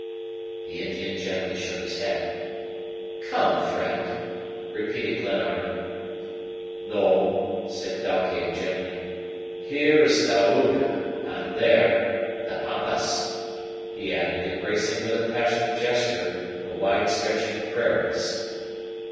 The Indian gently shook his head. "Come, friend," repeated Glenarvan. "No," said Thalcave, gently. "Here is Thaouka, and there the Pampas," he added, embracing with a passionate gesture the wide stretching prairies.